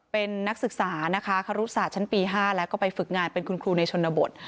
เป็นนักศึกษานะคะคารุศาสตร์ชั้นปี๕แล้วก็ไปฝึกงานเป็นคุณครูในชนบท